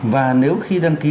và nếu khi đăng ký